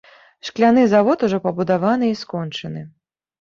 Шкляны завод ужо пабудаваны і скончаны.